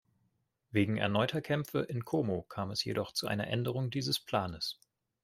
Wegen erneuter Kämpfe in Como kam es jedoch zu einer Änderung dieses Planes.